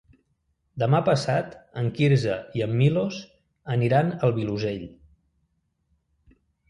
Demà passat en Quirze i en Milos aniran al Vilosell.